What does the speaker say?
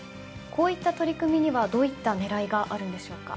こういった取り組みにはどういった狙いがあるんでしょうか？